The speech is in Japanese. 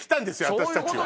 私たちは。